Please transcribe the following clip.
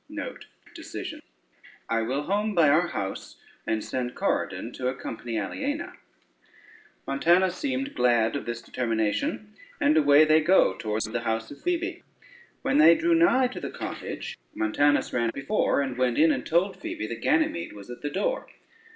I will home by our house, and send Corydon to accompany Aliena." [Footnote 1: decision.] Montanus seemed glad of this determination and away they go towards the house of Phoebe. When they drew nigh to the cottage, Montanus ran before, and went in and told Phoebe that Ganymede was at the door.